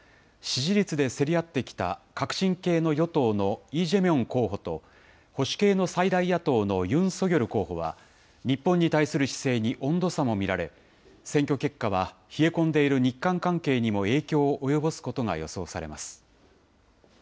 支持率で競り合ってきた革新系の与党のイ・ジェミョン候補と、保守系の最大野党のユン・ソギョル候補は、日本に対する姿勢に温度差も見られ、選挙結果は冷え込んでいる日韓関係にも影響を及ぼすことが予想さ